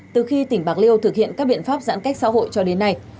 từ khi tỉnh bạc liêu thực hiện các biện pháp giãn cách xã hội cho đến nay